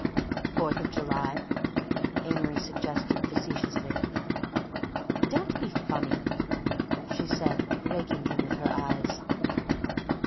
"Fourth of July," Amory suggested facetiously. "Don't be funny!" she said, raking him with her eyes.